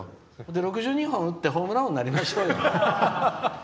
６２本打ってホームラン王になりましょうよ。